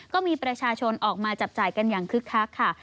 ก็มีประชาชนออกมาจับจ่ายกันอย่างคึกคักค่ะ